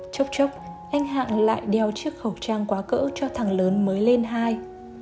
chốc chốc anh hạng lại đeo chiếc khẩu trang quá cỡ cho thằng lớn mới lên hai